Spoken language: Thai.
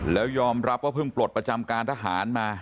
แล้วยอมรับว่าเพิ่งปลดประจำการทหารมา